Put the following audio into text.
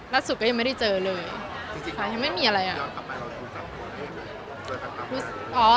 ล่าสุดก็ยังไม่ได้เจอเลยจริงจริงไม่มีอะไรอ่ะย้อนกลับมาเราดูกัน